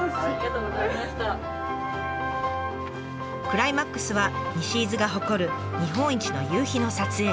クライマックスは西伊豆が誇る日本一の夕日の撮影。